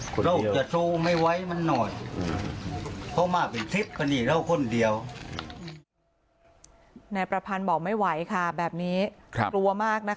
คงจะโชว์ไม่ไหวมันน้อยเพราะมาเป็นทริปพอหนีเราคนเดียว